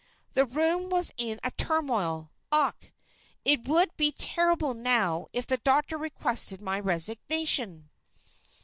The room was in a turmoil Ach! it would be terrible now if the doctor requested my resignation."